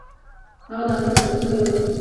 هغه د امنیت ساتونکی و.